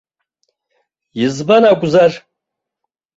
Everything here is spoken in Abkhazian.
Избан акәзар.